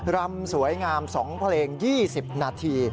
รำสวยงาม๒เพลง๒๐นาที